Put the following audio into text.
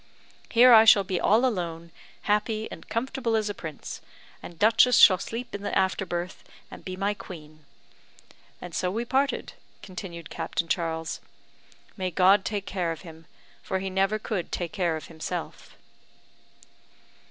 Here I shall be all alone, happy and comfortable as a prince, and Duchess shall sleep in the after berth, and be my queen.' And so we parted," continued Captain Charles. "May God take care of him, for he never could take care of himself."